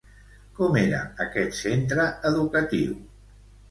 Com era aquest centre educatiu?